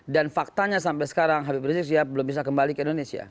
dan faktanya sampai sekarang habib rizik belum bisa kembali ke indonesia